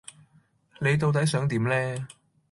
你到底想點呢？